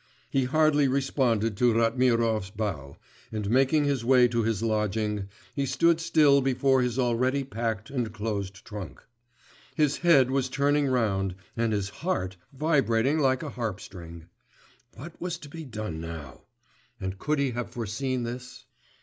He hardly responded to Ratmirov's bow, and, making his way to his lodging, he stood still before his already packed and closed trunk. His head was turning round and his heart vibrating like a harp string. What was to be done now? And could he have foreseen this?